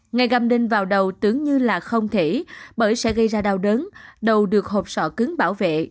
ngày găm đinh vào đầu tưởng như là không thể bởi sẽ gây ra đau đớn đầu được hộp sọ cứng bảo vệ